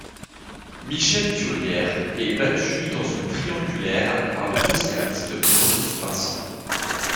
Michel Thiollière est battu dans une triangulaire par le socialiste Maurice Vincent.